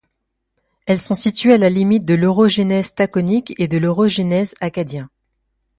Elles sont situées à la limite de l'orogenèse taconique et de l'orogenèse acadien.